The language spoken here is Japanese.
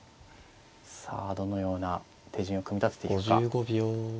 さあどのような手順を組み立てていくか。